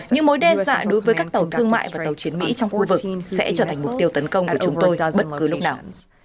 những mối đe dọa đối với các tàu thương mại và tàu chiến mỹ trong khu vực sẽ trở thành mục tiêu tấn công của chúng tôi bất cứ lúc nào